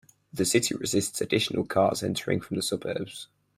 The city resists additional cars entering from the suburbs.